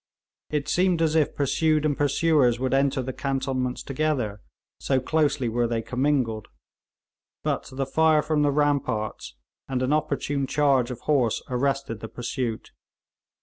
It seemed as if pursued and pursuers would enter the cantonments together so closely were they commingled; but the fire from the ramparts and an opportune charge of horse arrested the pursuit.